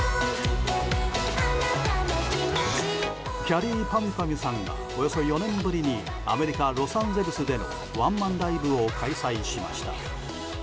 きゃりーぱみゅぱみゅさんがおよそ４年ぶりにアメリカ・ロサンゼルスでのワンマンライブを開催しました。